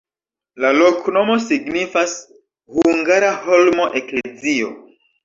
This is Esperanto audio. La loknomo signifas: hungara-holmo-eklezio.